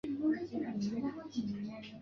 参拜者也多为女性。